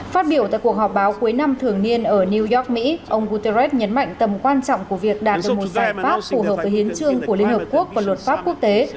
phát biểu tại cuộc họp báo cuối năm thường niên ở new york mỹ ông guterres nhấn mạnh tầm quan trọng của việc đạt cho một giải pháp phù hợp với hiến trương của liên hợp quốc và luật pháp quốc tế